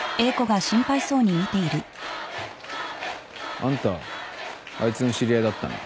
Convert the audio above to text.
あんたあいつの知り合いだったな。